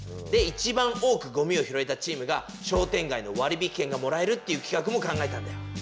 でいちばん多くゴミを拾えたチームが商店街の割引券がもらえるっていう企画も考えたんだよ。